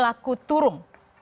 jadi laku turun